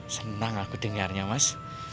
senang aku dengarnya mas